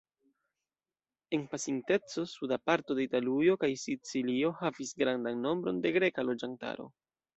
En pasinteco suda parto de Italujo kaj Sicilio havis grandan nombron de greka loĝantaro.